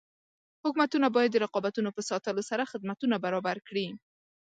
حکومتونه باید د رقابتونو په ساتلو سره خدمتونه برابر کړي.